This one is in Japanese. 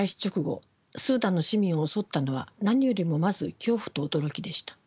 スーダンの市民を襲ったのは何よりもまず恐怖と驚きでした。